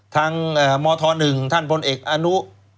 ทางมธหนึ่งท่านบนเอกอนุ